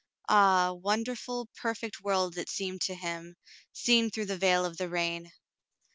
Ah, wonderful, perfect world it seemed to him, seen through the veil of the rain.